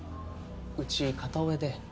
うち片親で。